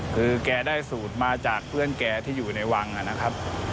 คือแกได้สูตรมาจากเพื่อนแกที่อยู่ในวังนะครับ